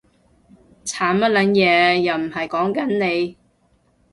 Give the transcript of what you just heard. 慘乜撚嘢？，又唔係溝緊你